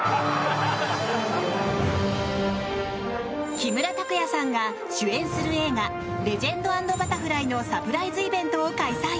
木村拓哉さんが主演する映画「レジェンド＆バタフライ」のサプライズイベントを開催！